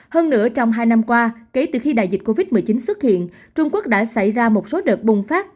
hơn nữa trong hai năm qua kể từ khi đại dịch covid một mươi chín xuất hiện trung quốc đã xảy ra một số đợt bùng phát